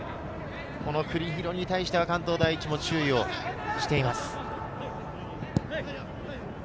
国広に対しては関東第一も注意しています。